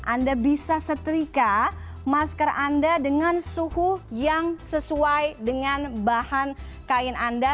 anda bisa setrika masker anda dengan suhu yang sesuai dengan bahan kain anda